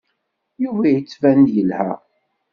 Yuba yettban-d yelha.